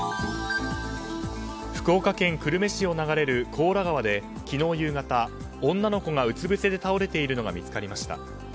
福岡県久留米市を流れる高良川で昨日夕方、女の子がうつぶせで倒れているのが見つかりました。